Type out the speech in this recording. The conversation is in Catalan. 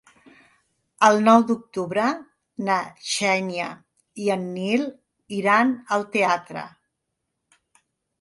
El nou d'octubre na Xènia i en Nil iran al teatre.